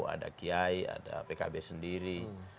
ada kiai ada pkb sendiri